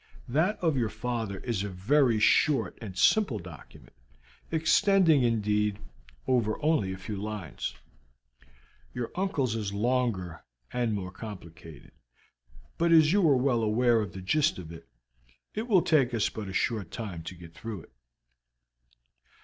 That of your father is a very short and simple document, extending, indeed, only over a few lines. Your uncle's is longer and more complicated, but as you are well aware of the gist of it, it will take us but a short time to get through it."